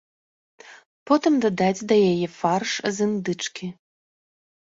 Потым дадаць да яе фарш з індычкі.